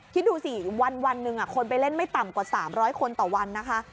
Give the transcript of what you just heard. คิดดูสิวันหนึ่งคนไปเล่นไม่ต่ำกว่า๓๐๐คนต่อวันนะคะ